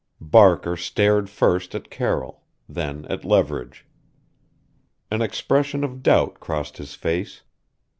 Barker stared first at Carroll then at Leverage. An expression of doubt crossed his face.